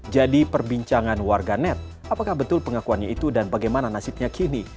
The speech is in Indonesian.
jadi perbincangan warga net apakah betul pengakuannya itu dan bagaimana nasibnya kini